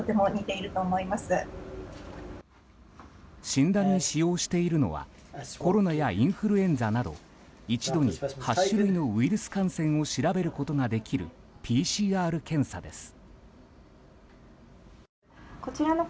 診断に使用しているのはコロナやインフルエンザなど一度に８種類のウイルス感染を調べることができるＰＣＲ検査です。